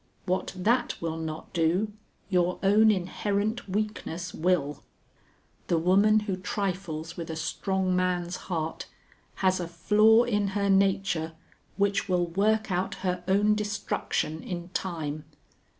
What that will not do, your own inherent weakness will. The woman who trifles with a strong man's heart has a flaw in her nature which will work out her own destruction in time.